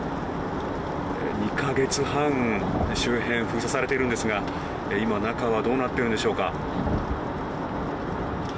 ２か月半周辺封鎖されているんですが今、中はどうなっているんでしょうか。